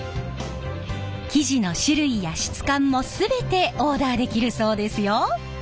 生地の種類や質感も全てオーダーできるそうですよ！